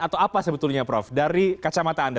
atau apa sebetulnya prof dari kacamata anda